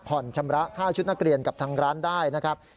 ชำระค่าชุดนักเรียนกับทางร้านได้นะครับ